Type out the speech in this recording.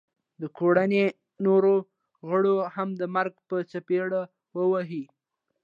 د کوړنۍ نورو غړو هم د مرګ په څپېړه وه وهي